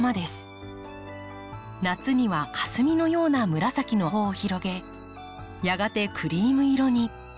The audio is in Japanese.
夏にはかすみのような紫の穂を広げやがてクリーム色に。